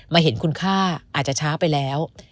เห็นคุณค่าอาจจะช้าไปแล้ว